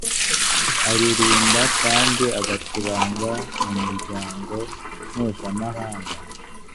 aririmba kandi agacuranga mumuryango mpuzamahanga.